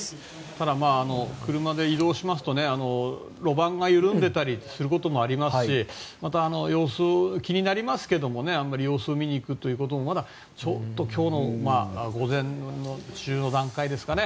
ただ車で移動しますと路盤が緩んでいたりすることもありますしまた、様子が気になりますがあまり様子を見に行くことはまだちょっと今日の午前中の段階ですかね。